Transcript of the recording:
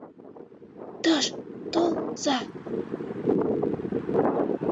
Тыш тол-за!..